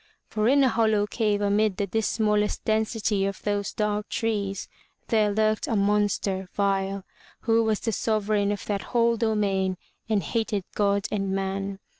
For in a hollow cave amid the dismallest den sity of those dark trees, there lurked a monster vile, who was the sovereign of that whole domain and hated God and man.